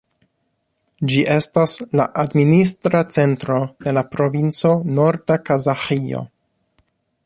Ĝi estas la administra centro de la provinco Norda Kazaĥio.